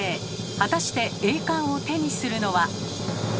果たして栄冠を手にするのは。